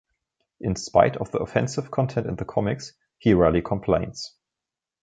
In spite of the offensive content in the comics, he rarely complains.